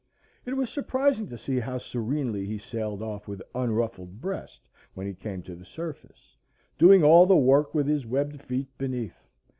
It was surprising to see how serenely he sailed off with unruffled breast when he came to the surface, doing all the work with his webbed feet beneath.